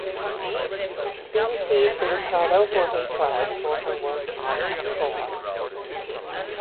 She received the Ricardo Jorge Prize for her work on trachoma.